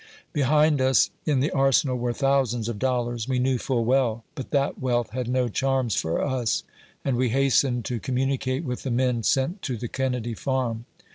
Behind us, in the Arse nal, were thousands of dollars, we knew full well, but that wealth had no charms for us, and we hasteued to communi cate with the men sent to the Kennedy Farm.